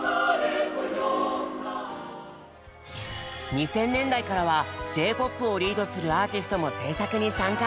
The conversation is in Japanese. ２０００年代からはＪ−ＰＯＰをリードするアーティストも制作に参加。